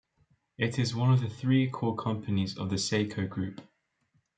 It is one of three core companies of the Seiko Group.